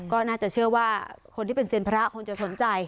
ก็น่าจะเชื่อว่าคนที่เป็นเซียนพระคงจะสนใจ